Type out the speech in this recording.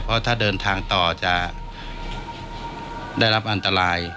เพราะถ้าเดินทางต่อจะได้รับอันตราย